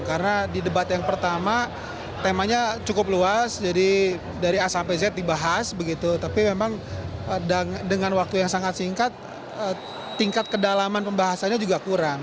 karena di debat yang pertama temanya cukup luas jadi dari a sampai z dibahas tapi memang dengan waktu yang sangat singkat tingkat kedalaman pembahasannya juga kurang